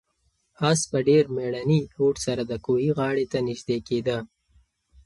آس په ډېر مېړني هوډ سره د کوهي غاړې ته نږدې کېده.